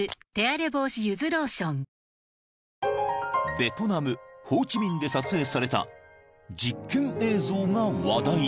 ［ベトナムホーチミンで撮影された実験映像が話題に］